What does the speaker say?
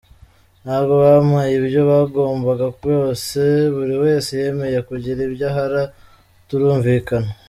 Ntabwo bampaye ibyo bangombaga byose, buri wese yemeye kugira ibya ahara turumvikana.